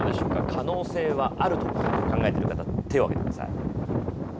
可能性はあると考えてる方手を挙げてください。